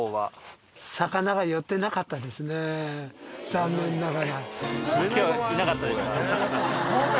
残念ながら。